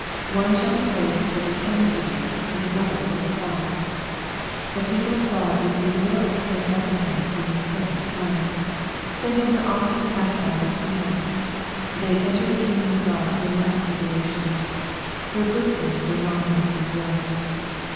One shall be placed " ovei ten cities,'' and another " over five." The people of God receive little apparent recompense in this present time. Their names are often cast out as evil. They enter the kingdom of God through much tribulation. Their good things are not in this world.